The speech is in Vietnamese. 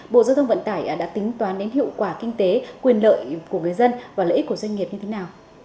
bộ giao thông vận tải đã tính toán đến hiệu quả kinh tế quyền lợi của người dân và lợi ích của doanh nghiệp như thế nào